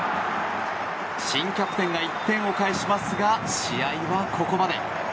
新キャプテンが１点を返しますが試合はここまで。